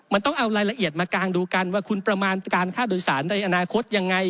มันต้องเอารายละเอียดมากางดูกันว่าคุณประมาณการค่าโดยสารในอนาคตยังไง